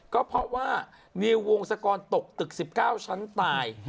ก็เพราะว่านิววงศกรตกตึก๑๙ชั้นตาย